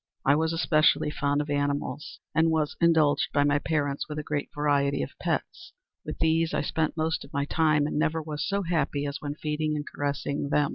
I was especially fond of animals, and was indulged by my parents with a great variety of pets. With these I spent most of my time, and never was so happy as when feeding and caressing them.